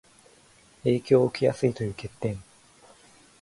影響を受けやすいという欠点